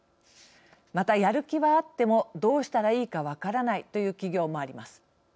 また、やる気はあってもどうしたらいいかわからないという企業もあります。